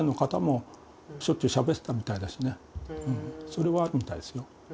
それはあるみたいですよ。